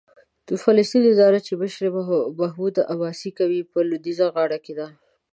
د فلسطین اداره چې مشري یې محمود عباس کوي، په لوېدیځه غاړه کې ده.